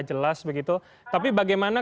jelas begitu tapi bagaimana